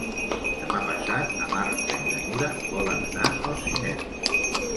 Demà passat na Marta i na Nura volen anar al cinema.